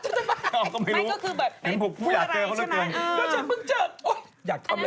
หมายถึงเจอยังไง